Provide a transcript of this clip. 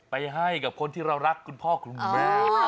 ไปให้กับคนที่เรารักคุณพ่อคุณแม่